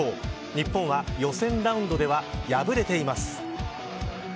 日本は予選ラウンドでは敗れています。